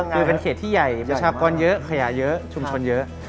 คือเป็นเขตที่ใหญ่ประชากรเยอะขยะเยอะชุมชนเยอะ